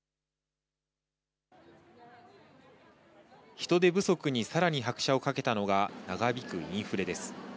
人手不足にさらに拍車をかけたのが、長引くインフレです。